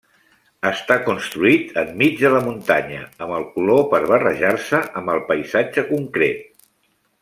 Està construït enmig de la muntanya amb el color per barrejar-se amb el paisatge concret.